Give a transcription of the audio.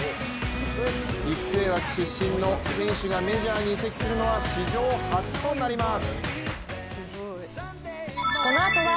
育成枠出身の選手がメジャーに移籍するのは史上初となります。